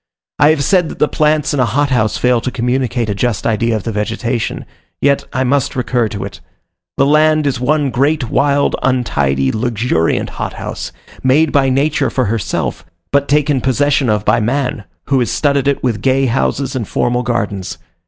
I have said that the plants in a hothouse fail to communicate a just idea of the vegetation, yet I must recur to it. The land is one great wild, untidy, luxuriant hothouse, made by Nature for herself, but taken possession of by man, who has studded it with gay houses and formal gardens.